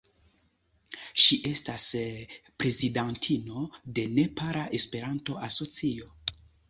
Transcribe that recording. Ŝi estas prezidantino de Nepala Esperanto-Asocio.